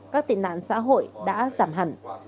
các tị nạn xã hội đã giảm hẳn